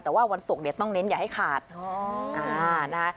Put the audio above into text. แต่ว่าวันศุกร์เนี่ยต้องเน้นอย่าให้ขาดนะคะ